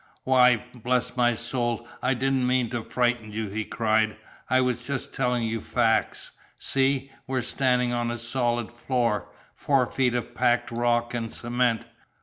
"Why, bless my soul, I didn't mean to frighten you!" he cried. "I was just telling you facts. See, we're standing on a solid floor four feet of packed rock and cement.